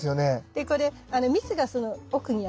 でこれ蜜がその奥にあるのね。